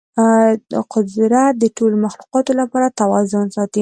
قدرت د ټولو مخلوقاتو لپاره توازن ساتي.